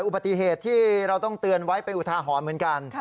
อุบัติเหตุที่เราต้องเตือนไว้เป็นอุทาหรณ์เหมือนกัน